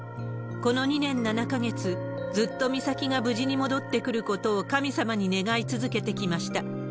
この２年７か月、ずっと美咲が無事に戻ってくることを神様に願い続けてきました。